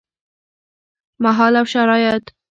مهال او شرايط: